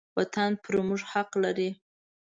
وطن پر موږ حق لري.